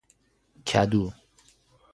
کدو